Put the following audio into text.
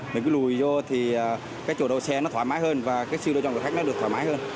mình cứ lùi vô thì cái chỗ đồ xe nó thoải mái hơn và cái siêu đồ cho người khách nó được thoải mái hơn